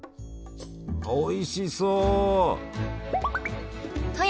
おいしそう！